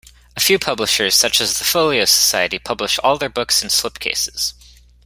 A few publishers, such as the Folio Society, publish all their books in slipcases.